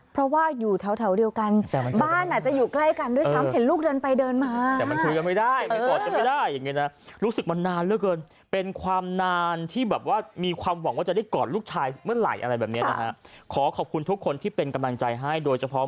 เพราะว่าอยู่เทาเดียวกันบ้านจะอยู่ใกล้ด้วยซ้ำ